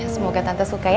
semoga tante suka ya